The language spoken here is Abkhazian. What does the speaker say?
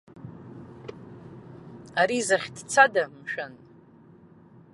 Ари захь дцада, мшәан?